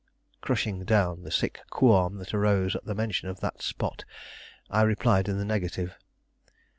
Crushing down the sick qualm that arose at the mention of that spot, I replied in the negative.